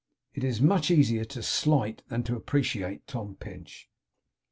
It is much easier to slight than to appreciate Tom Pinch.